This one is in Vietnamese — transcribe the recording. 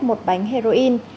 một bánh heroin